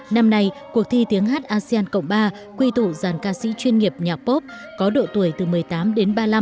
năm nay cuộc thi tiếng hát asean cộng ba quy tụ dàn ca sĩ chuyên nghiệp nhạc pop có độ tuổi từ một mươi tám đến ba mươi năm